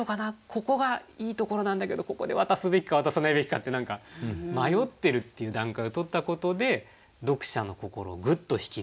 ここがいいところなんだけどここで渡すべきか渡さないべきかって何か迷ってるっていう段階をとったことで読者の心をグッとひきつける。